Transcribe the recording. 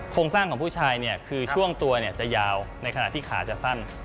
โครงสร้างของผู้ชายเนี่ยคือช่วงตัวจะยาวในขณะที่ขาจะสั้น